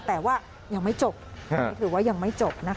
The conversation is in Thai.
แต่ว่ายังไม่จบหรือว่ายังไม่จบนะคะ